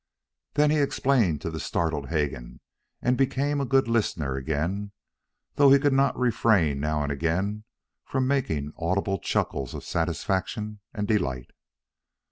Then he explained to the startled Hegan, and became a good listener again, though he could not refrain now and again from making audible chuckles of satisfaction and delight.